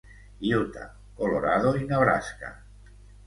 Utah, Colorado i Nebraska.